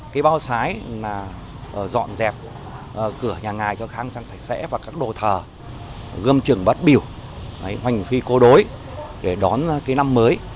cái bao sái là dọn dẹp cửa nhà ngài cho khang sáng sạch sẽ và các đồ thờ gươm trường bát biểu hoành phi cô đối để đón cái năm mới